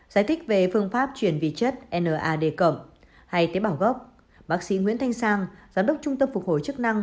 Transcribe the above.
giải thích về phương pháp chuyển vị chất nad hay tế bảo gốc bác sĩ nguyễn thanh sang giám đốc trung tâm phục hồi chức năng